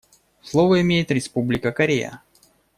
Слово имеет Республика Корея.